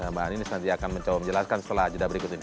mbak aninis nanti akan mencoba menjelaskan setelah jeda berikut ini